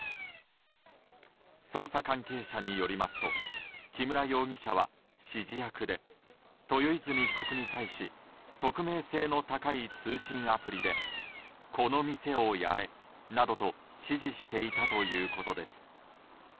捜査関係者によりますと木村容疑者は指示役で豊泉被告に対し匿名性の高い通信アプリでこの店をやれなどと指示していたということです。